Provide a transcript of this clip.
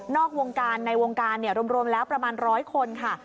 อกวงการในวงการรวมแล้วประมาณร้อยคนค่ะ